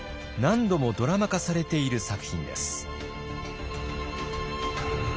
何度もドラマ化されている作品です。